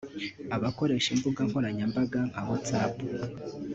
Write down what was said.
abakoreshaga imbuga nkoranyambaga nka WhatsApp